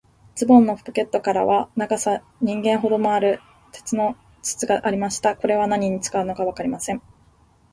ズボンのポケットからは、長さ人間ほどもある、鉄の筒がありました。これは何に使うのかわかりません。